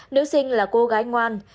nữ sinh là cô gái ngoan